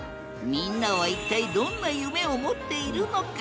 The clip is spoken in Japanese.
みんなは一体どんな夢を持っているのか？